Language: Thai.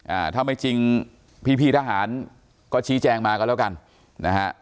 อ่าถ้าไม่จริงพี่พี่ทหารก็ชี้แจงมากันแล้วกันนะฮะ